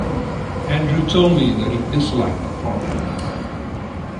Andrew told me that he disliked Marmite.